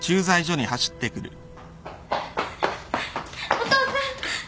お父さん！